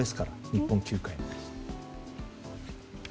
日本球界の。